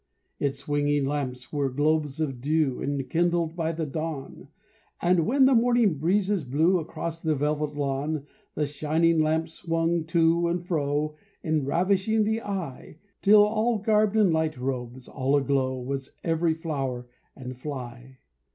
Its swinging lamps were globes of dew, Enkindled by the dawn, And when the morning breezes blew Across the velvet lawn, The shining lamps swung to and fro. Enravishing the eye, Till garbed in light robes, all aglow, Was every flower and fly.